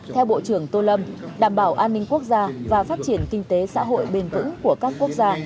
theo bộ trưởng tô lâm đảm bảo an ninh quốc gia và phát triển kinh tế xã hội bền vững của các quốc gia